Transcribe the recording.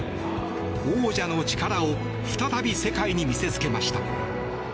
王者の力を再び世界に見せつけました。